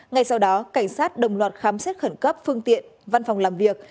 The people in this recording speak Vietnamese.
ngay sau đó cảnh sát đồng loạt khám xét khẩn cấp phương tiện văn phòng làm việc